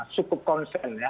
sukup konsen ya